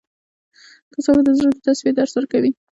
تصوف د زړه د تصفیې درس ورکوي.